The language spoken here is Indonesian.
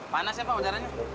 panas ya pak wajarannya